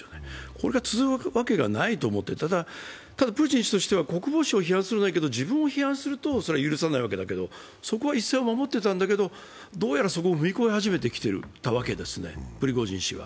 これが続くわけがないと思って、ただ、プーチン氏としては国防省を批判するのはいいけど自分を批判するのは許さない、そこは一線を守ってたんだけどどうやらそこを踏み越え始めたわけですね、プリゴジン氏は。